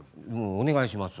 お願いします。